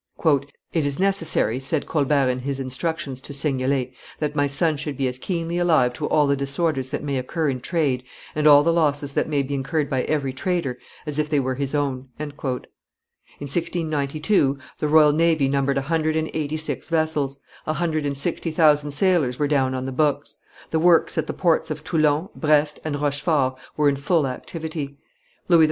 "It is necessary," said Colbert in his instructions to Seignelay, "that my son should be as keenly alive to all the disorders that may occur in trade, and all the losses that may be incurred by every trader, as if they were his own." In 1692 the royal navy numbered a hundred and eighty six vessels; a hundred and sixty thousand sailors were down on the books; the works at the ports of Toulon, Brest, and Rochefort were in full activity; Louis XIV.